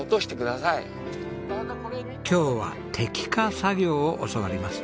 今日は摘果作業を教わります。